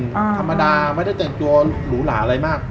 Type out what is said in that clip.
ธรรมดาไม่ได้แต่งตัวหรูหลาอะไรมาก